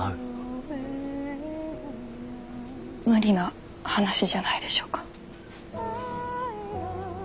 無理な話じゃないでしょうか。